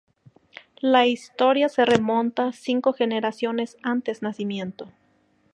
La historia se remonta cinco generaciones antes nacimiento.